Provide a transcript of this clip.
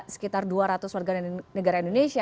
sekitar dua ratus warga negara indonesia